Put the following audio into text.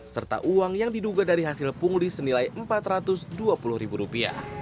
serta uang yang diduga dari hasil pungli senilai rp empat ratus dua puluh